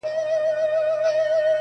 • شپه اوږده او سړه وي تل..